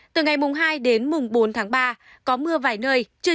từ ngày mùng hai đến mùng bốn tháng ba có mưa vài nơi trời rét